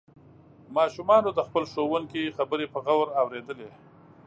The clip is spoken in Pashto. ماشومانو د خپل ښوونکي خبرې په غور اوریدلې.